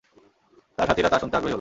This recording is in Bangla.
তার সাথীরা তা শুনতে আগ্রহী হল।